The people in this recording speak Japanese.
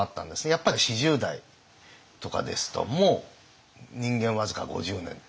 やっぱり４０代とかですともう人間僅か５０年って言ってる。